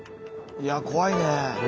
いや怖いね。